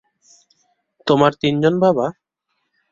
তোমার তিনজন বাবা?